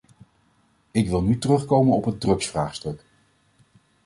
Ik wil nu terugkomen op het drugsvraagstuk.